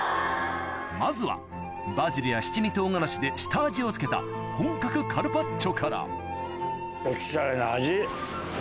まずはバジルや七味唐辛子で下味を付けた本格カルパッチョからおしゃれな味！